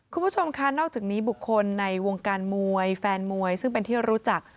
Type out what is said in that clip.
คุณผู้ชมค่ะนอกจากนี้บุคคลในวงการมวยแฟนมวยซึ่งเป็นที่รู้จัก